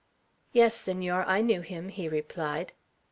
"Yes, Senor, I knew him," he replied.